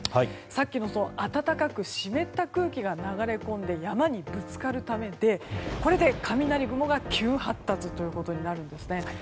さっきの暖かく湿った空気が流れ込んで山にぶつかるためで、これで雷雲が急発達となるんですね。